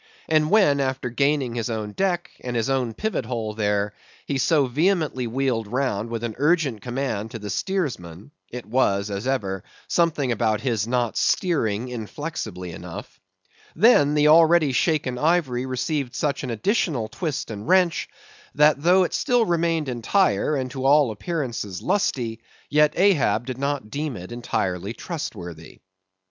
And when after gaining his own deck, and his own pivot hole there, he so vehemently wheeled round with an urgent command to the steersman (it was, as ever, something about his not steering inflexibly enough); then, the already shaken ivory received such an additional twist and wrench, that though it still remained entire, and to all appearances lusty, yet Ahab did not deem it entirely trustworthy.